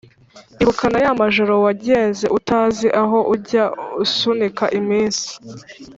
ibuka na ya majoro wagenze utazi aho ujya usunika iminsi